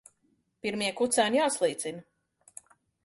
Pirmie kucēni jāslīcina.